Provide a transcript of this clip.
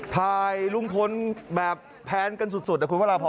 ถ่ายลุงพลแบบแพนกันสุดนะคุณพระราพร